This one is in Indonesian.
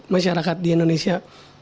masyarakat di indonesia